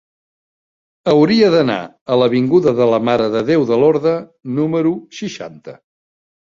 Hauria d'anar a l'avinguda de la Mare de Déu de Lorda número seixanta.